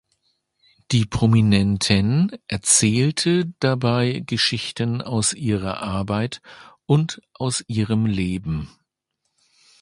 Die Prominenten erzählte dabei Geschichten aus ihrer Arbeit und aus ihrem Leben.